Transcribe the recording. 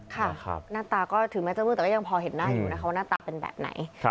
ค่ะหน้าตาก็ถึงแม้เจ้ามือแต่ก็ยังพอเห็นหน้าอยู่นะคะว่าหน้าตาเป็นแบบไหน